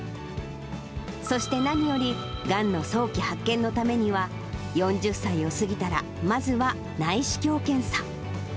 そして何より、がんの早期発見のためには、４０歳を過ぎたら、まずは内視鏡検査。